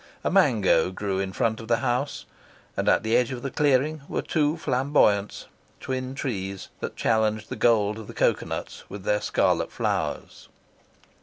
A mango grew in front of the house, and at the edge of the clearing were two flamboyants, twin trees, that challenged the gold of the cocoa nuts with their scarlet flowers.